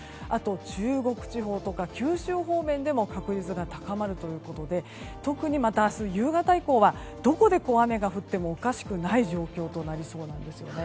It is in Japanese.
中国地方とか九州方面でも確率が高まるということで特にまた明日夕方以降はどこで雨が降ってもおかしくない状況となりそうです。